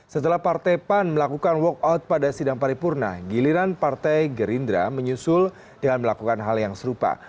setelah partai pan melakukan walk out pada sidang paripurna giliran partai gerindra menyusul dengan melakukan hal yang serupa